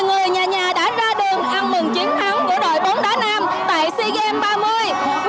người nhà nhà đã ra đường ăn mừng chiến thắng của đội bóng đá nam tại sea games ba mươi